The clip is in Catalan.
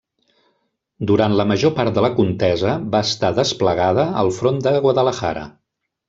Durant la major part de la contesa va estar desplegada al front de Guadalajara.